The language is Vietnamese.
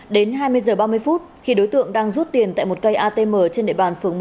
đến hai mươi h ba mươi phút khi đối tượng đang rút tiền tại một cây atm trên địa bàn phường một